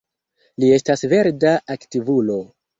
Li estas verda aktivulo.